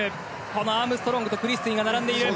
このアームストロングとクリストゥが並んでいる。